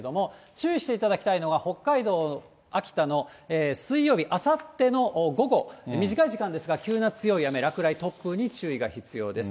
注意していただきたいのは、北海道、秋田の、水曜日、あさっての午後、短い時間ですが、急な強い雨、落雷、突風に注意が必要です。